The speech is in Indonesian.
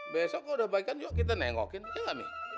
besok kalau udah baik baik kita nengokin iya nggak nih